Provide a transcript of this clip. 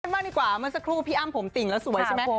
มันสักครู่พี่อ้ำผมติ่งแล้วสวยใช่ไหม